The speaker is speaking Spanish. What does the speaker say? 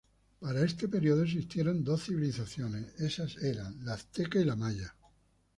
Para este periodo existieron dos civilizaciones esas eran: la azteca y la maya.